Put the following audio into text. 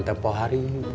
yang pak hari